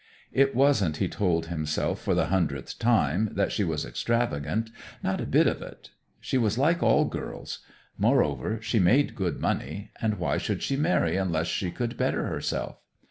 It wasn't, he told himself for the hundredth time, that she was extravagant. Not a bit of it. She was like all girls. Moreover, she made good money, and why should she marry unless she could better herself?